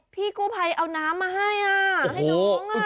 พี่กู้ภัยเอาน้ำมาให้อ่ะให้น้องอ่ะ